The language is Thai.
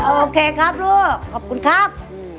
โอเคครับลูกขอบคุณครับ